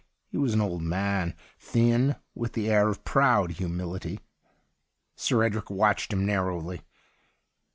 He was an old man, thin, with the air of proud humility. Sir Edric watched him narrowly.